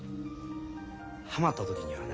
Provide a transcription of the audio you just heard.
ハマった時にはな